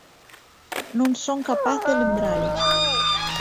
Non son capaz de lembralo.